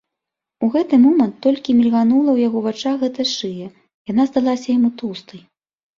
У гэты момант толькі мільганула ў яго вачах гэтая шыя, яна здалася яму тоўстай.